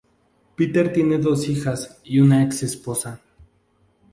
Peter tiene dos hijas y una ex-esposa.